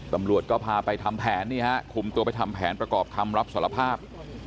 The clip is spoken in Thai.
ตำรวจก็พาไปทำแผนนี่ฮะคุมตัวไปทำแผนประกอบคำรับสารภาพ